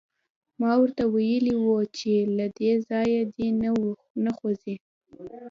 ما ورته ویلي وو چې له دې ځایه دې نه خوځي